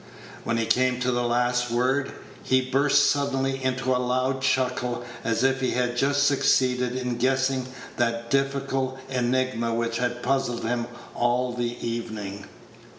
When he came to the last word, he burst suddenly into a loud chuckle, as if he had just succeeded in guessing that difficult enigma which had puzzled him all the evening.